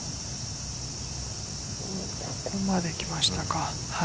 ここまできましたか。